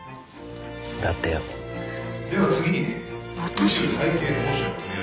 だってよ私？